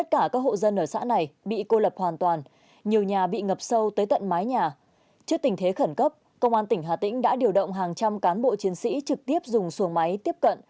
trước tình thế khẩn cấp công an tỉnh hà tĩnh đã điều động hàng trăm cán bộ chiến sĩ trực tiếp dùng xuồng máy tiếp cận